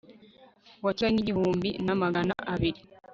wa Kigali n igihumbi na magana abiri